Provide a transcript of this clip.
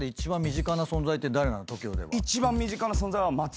一番身近な存在は。